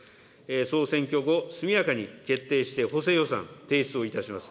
総選挙後、速やかに決定して補正予算、提出をいたします。